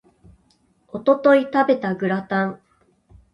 一昨日食べたグラタン